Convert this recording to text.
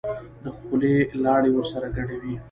د خولې لاړې ورسره ګډوي.